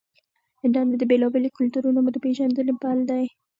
انټرنیټ د بېلابېلو کلتورونو د پیژندنې پل دی.